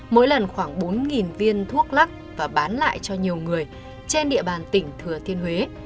mỗi lần khoảng bốn viên thuốc lắc và bán lại cho nhiều người trên địa bàn tỉnh thừa thiên huế